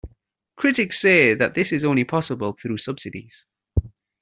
Critics say that this is only possible through subsidies.